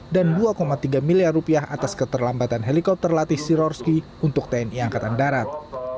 dan rp dua tiga miliar atas keterlambatan helikopter latih sirorski untuk tni angkatan darat